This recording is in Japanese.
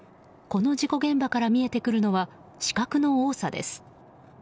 この事故現場から見えてくるのは死角の多さです。